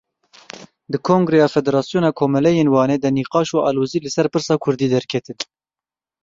Di Kongreya Federasyona Komeleyên Wanê de nîqaş û alozî li ser Pirsa kurdî derketin.